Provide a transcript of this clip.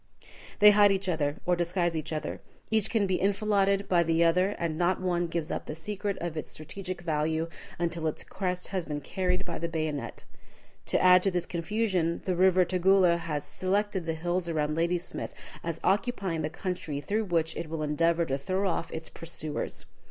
They hide each other, or disguise each other. Each can be enfiladed by the other, and not one gives up the secret of its strategic value until its crest has been carried by the bayonet. To add to this confusion, the river Tugela has selected the hills around Ladysmith as occupying the country through which it will endeavor to throw off its pursuers.